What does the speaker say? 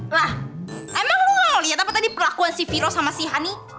lah emang lo gak ngeliat apa tadi perlakuan si viro sama si honey